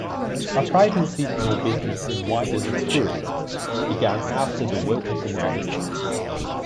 A thriving seasonal business in wilderness tourism began after the Wilkerson article.